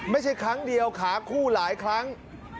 ไม่ใช่ครั้งเดียวขาคู่หลายครั้ง